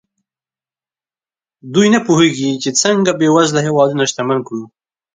دوی نه پوهېږي چې څنګه بېوزله هېوادونه شتمن کړو.